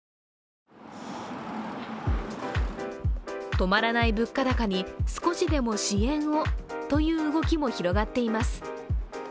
止まらない物価高に少しでも支援をという動きも広がっています。